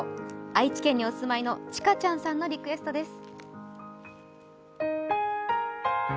愛知県にお住まいのちかちゃんさんのリクエストです。